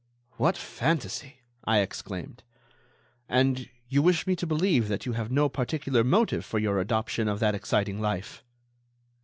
"What fantasy!" I exclaimed. "And you wish me to believe that you have no particular motive for your adoption of that exciting life?"